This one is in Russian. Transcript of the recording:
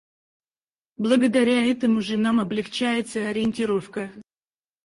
Благодаря этому же нам облегчается ориентировка.